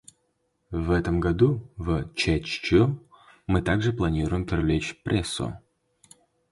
В этом году в Чжечжу мы также планируем привлечь прессу.